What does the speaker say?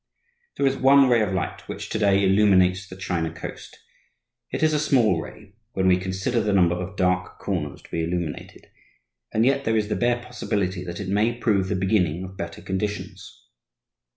There is one ray of light which, to day, illuminates the China Coast. It is a small ray, when we consider the number of dark corners to be illuminated, and yet there is the bare possibility that it may prove the beginning of better conditions.